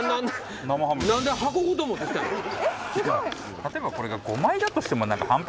例えばこれが。